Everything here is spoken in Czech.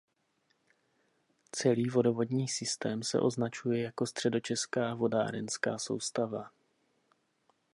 Celý vodovodní systém se označuje jako středočeská vodárenská soustava.